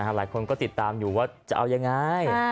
หลายคนก็ติดตามอยู่ว่าจะเอายังไง